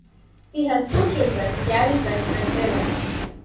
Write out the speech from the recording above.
He has two children, Garrison and Evan.